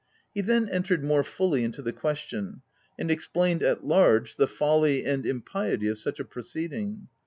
He then entered more fully into the question, and explained at large the folly and impiety of OF W1LDFELL HALL. such a proceeding.